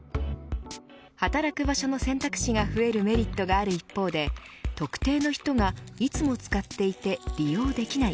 働く場所の選択肢が増えるメリットがある一方で特定の人がいつも使っていて利用できない。